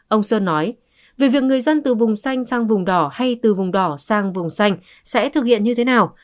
ông sơn nói về việc người dân từ vùng xanh sang vùng đỏ hay từ vùng đỏ sang vùng xanh sẽ thực hiện như thế nào